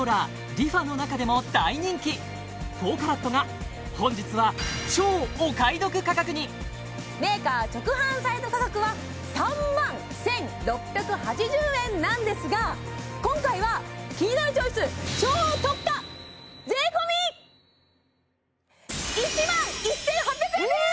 ＲｅＦａの中でも大人気４ＣＡＲＡＴが本日は超お買い得価格にメーカー直販サイト価格は３万１６８０円なんですが今回は「キニナルチョイス」超特価税込１万１８００円です